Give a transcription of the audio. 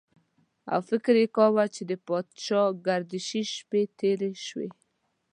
او فکر یې کاوه چې د پاچاګردشۍ شپې تېرې شوې.